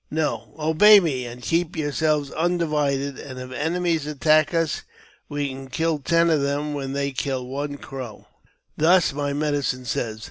No ; obey me, and keep yourselves un ; divided ; and if enemies attack us, we can kill ten of them ■when they kill one Crow : thus my medicine says.